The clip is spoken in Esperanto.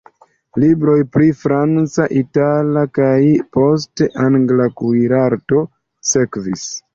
Libroj pri franca, itala kaj, poste, angla kuirarto sekvis.